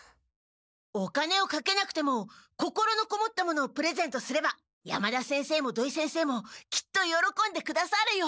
お金をかけなくても心のこもったものをプレゼントすれば山田先生も土井先生もきっとよろこんでくださるよ。